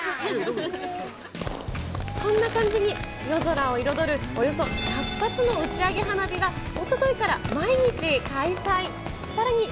こんな感じに、夜空を彩るおよそ１００発の打ち上げ花火がおとといから毎日開催。